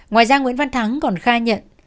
ngoài ra nguyễn văn thắng còn khai nhận